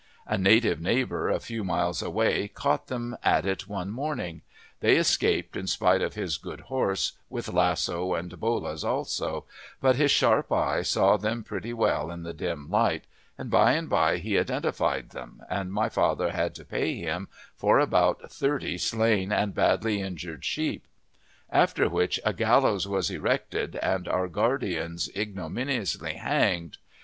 A native neighbour, a few miles away, caught them at it one morning; they escaped him in spite of his good horse, with lasso and bolas also, but his sharp eyes saw them pretty well in the dim light, and by and by he identified them, and my father had to pay him for about thirty slain and badly injured sheep; after which a gallows was erected and our guardians ignominiously hanged.